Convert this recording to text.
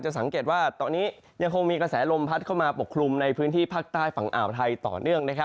สังเกตว่าตอนนี้ยังคงมีกระแสลมพัดเข้ามาปกคลุมในพื้นที่ภาคใต้ฝั่งอ่าวไทยต่อเนื่อง